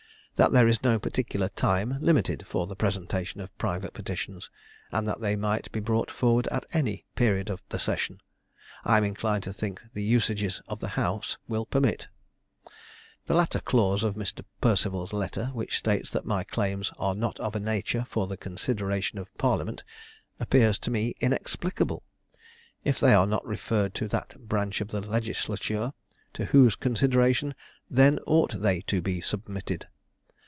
That there is no particular time limited for the presentation of private petitions, and that they might be brought forward at any period of the session, I am inclined to think the usages of the house will permit. The latter clause of Mr. Perceval's letter, which states that my claims are not of a nature for the consideration of parliament, appears to me inexplicable. If they are not referred to that branch of the legislature, to whose consideration then ought they to be submitted?